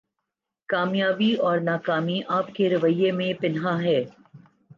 کامیابی اور ناکامی آپ کے رویہ میں پنہاں ہے